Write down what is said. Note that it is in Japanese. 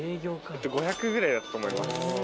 ５００ぐらいだと思います。